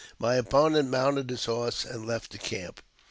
My opponent mounted his horse and left the camp.